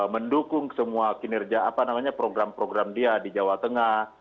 mendukung semua kinerja apa namanya program program dia di jawa tengah